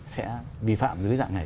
sẽ bi phạm dưới dạng này